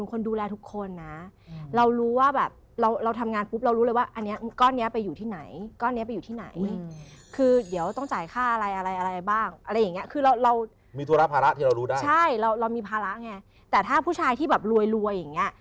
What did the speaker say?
คุณเก่งอย่างงี้แล้วจะมีผัวเมื่อไหร่ละคะ